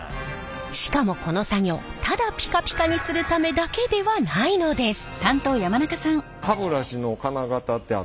しかもこの作業ただピカピカにするためだけではないのです。